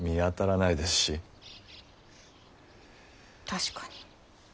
確かに。